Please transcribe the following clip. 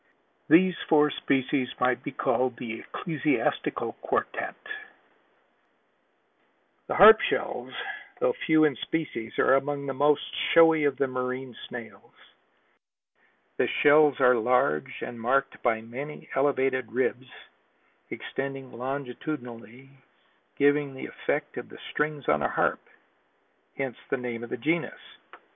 These four species might be called the ecclesiastical quartette. The Harp shells, although few in species, are among the most showy of the marine snails. The shells are large and marked by many elevated ribs extending longitudinally, giving the effect of the strings on a harp, hence the name of the genus.